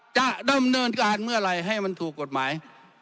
จะดำเนินการเมื่อไหร่ให้มันถูกกฎหมาย